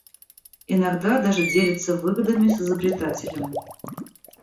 Иногда даже делится выгодами с изобретателем.